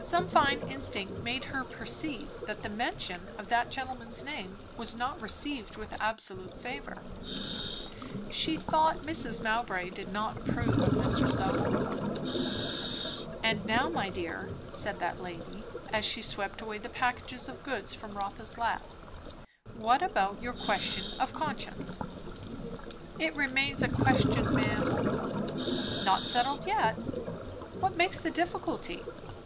Some fine instinct made her perceive that the mention of that gentleman's name was not received with absolute favour. She thought Mrs. Mowbray did not approve of Mr. Southwode. "And now, my dear," said that lady, as she swept away the packages of goods from Rotha's lap, "what about your question of conscience?" "It remains a question, ma'am." "Not settled yet? What makes the difficulty?"